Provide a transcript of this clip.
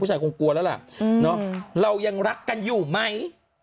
คงกลัวแล้วล่ะเรายังรักกันอยู่ไหม